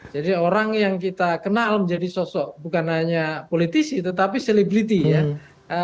jadi orang yang kita kenal menjadi sosok bukan hanya politisi tetapi selebriti ya